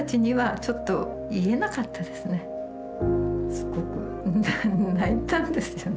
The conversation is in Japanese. すごく泣いたんですよね。